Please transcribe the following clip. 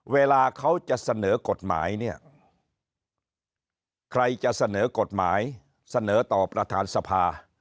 เวลาเขาจะเสนอกฎหมายเนี่ยใครจะเสนอกฎหมายเสนอต่อประธานสภา